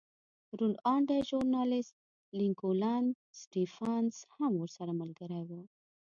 روڼ اندی ژورنالېست لینکولن سټېفنس هم ورسره ملګری و